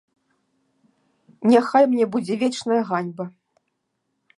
Няхай мне будзе вечная ганьба!